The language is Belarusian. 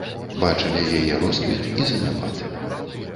Бачылі яе росквіт і заняпад.